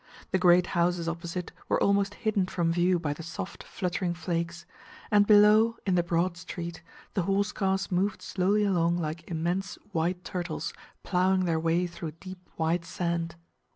The great houses opposite were almost hidden from view by the soft, fluttering flakes, and below, in the broad street, the horse cars moved slowly along like immense white turtles ploughing their way through deep white sand.